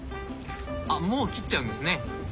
あっもう切っちゃうんですね。